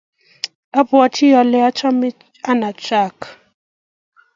Abwati kole chame Ann jack